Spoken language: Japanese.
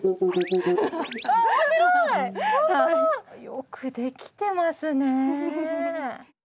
よく出来てますね。